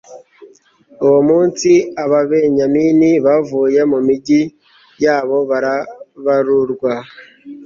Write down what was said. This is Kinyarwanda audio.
uwo munsi, ababenyamini bavuye mu migi yabo barabarurwa